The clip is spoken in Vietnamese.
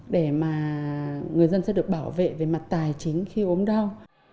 để mà người dân sẽ được bảo vệ về mặt tài chính khi ốm đau